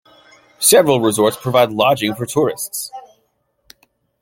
Several resorts provide lodging for tourists.